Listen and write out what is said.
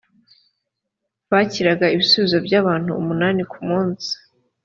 bakiraga ibisubizo by’ abantu umunani ku munsi